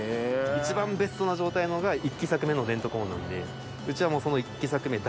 一番ベストな状態のが１期作目のデントコーンなんでうちはもうその。